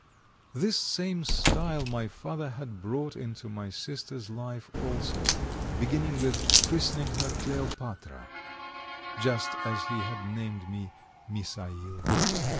This same style my father had brought into my sister's life also, beginning with christening her Kleopatra (just as he had named me Misail).